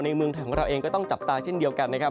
เมืองไทยของเราเองก็ต้องจับตาเช่นเดียวกันนะครับ